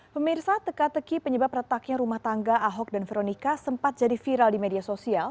pemirsa teka teki penyebab retaknya rumah tangga ahok dan veronica sempat jadi viral di media sosial